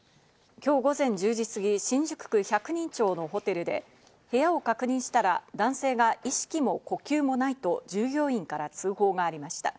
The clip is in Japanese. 今日午前１０時すぎ、新宿区百人町のホテルで部屋を確認したら、男性が意識も呼吸もないと従業員から通報がありました。